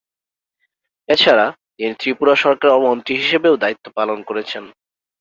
এছাড়া, তিনি ত্রিপুরা সরকারের মন্ত্রী হিসেবেও দায়িত্ব পালন করেছেন।